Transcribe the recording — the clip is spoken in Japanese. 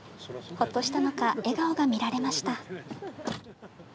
ほっとしたのか笑顔が見られました。